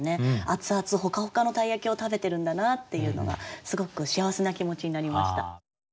アツアツホカホカの鯛焼を食べてるんだなっていうのがすごく幸せな気持ちになりました。